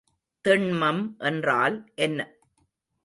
திண்மம் என்றால் என்ன?